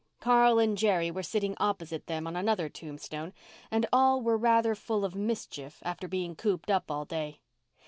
Carl and Jerry were sitting opposite them on another tombstone and all were rather full of mischief after being cooped up all day.